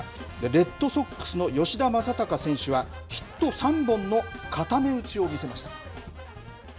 レッドソックスの吉田正尚選手はヒット３本のかため打ちを見せました。